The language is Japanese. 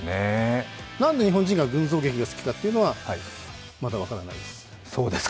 何で日本人が群像劇が好きかというのは、まだ分からないです。